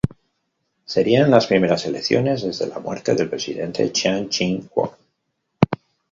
Serían las primeras elecciones desde la muerte del presidente Chiang Ching-kuo.